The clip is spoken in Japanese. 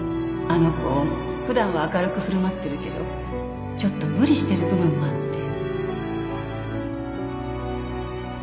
あの子普段は明るく振る舞ってるけどちょっと無理してる部分もあって